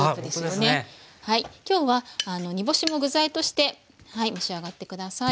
今日は煮干しも具材として召し上がって下さい。